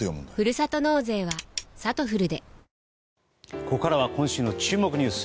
ここからは今週の注目ニュース